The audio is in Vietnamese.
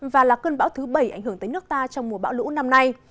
và là cơn bão thứ bảy ảnh hưởng tới nước ta trong mùa bão lũ năm nay